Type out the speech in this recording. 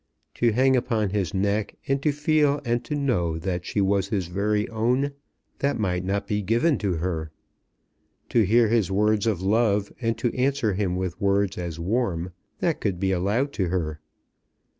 To hang upon his neck and to feel and to know that she was his very own, that might not be given to her. To hear his words of love and to answer him with words as warm, that could be allowed to her.